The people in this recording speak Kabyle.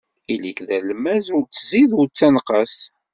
Ili-k d alemmas, ur ttzid, ur ttenqas.